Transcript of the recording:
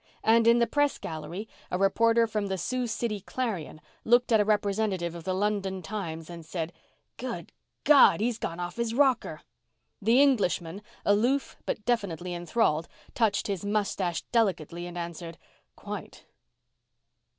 And in the press gallery a reporter from the Sioux City Clarion looked at a representative of the London Times, and said, "Good God! He's gone off his rocker!" The Englishman, aloof but definitely enthralled, touched his mustache delicately and answered, "Quite."